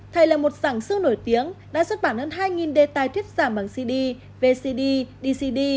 thầy là một giảng sư nổi tiếng đã xuất bản hơn hai đề tài thuyết giảng bằng cd vcd dcd